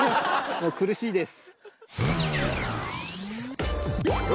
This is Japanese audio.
もう苦しいです。